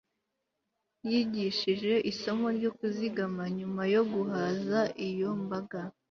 yigishije isomo ryo kuzigama Nyuma yo guhaza iyo mbaga